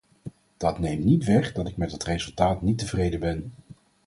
Dat neemt niet weg dat ik met het resultaat niet tevreden ben.